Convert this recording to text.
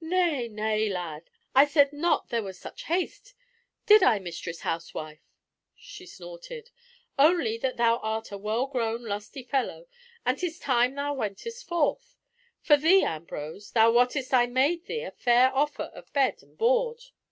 "Nay, nay, lad, I said not there was such haste; did I, mistress housewife?"—(she snorted); "only that thou art a well grown lusty fellow, and 'tis time thou wentest forth. For thee, Ambrose, thou wottest I made thee a fair offer of bed and board."